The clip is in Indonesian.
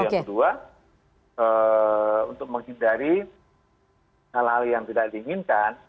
yang kedua untuk menghindari hal hal yang tidak diinginkan